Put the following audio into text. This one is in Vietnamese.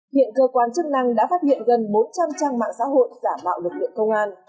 hiện cơ quan chức năng đã phát hiện gần bốn trăm linh trang mạng xã hội giả mạo lực lượng công an